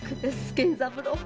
源三郎。